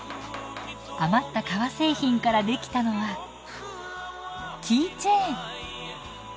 余った革製品から出来たのはキーチェーン。